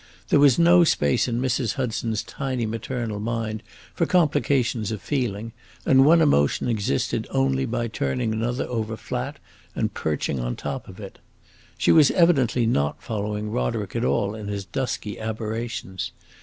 There was no space in Mrs. Hudson's tiny maternal mind for complications of feeling, and one emotion existed only by turning another over flat and perching on top of it. She was evidently not following Roderick at all in his dusky aberrations.